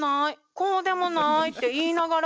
こうでもないって言いながら。